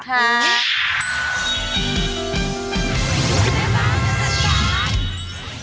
โปรดติดตามตอนต่อไป